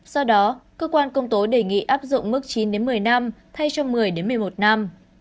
do đó cơ quan công tố đề nghị áp dụng mức chín một mươi năm thay cho một mươi một mươi một năm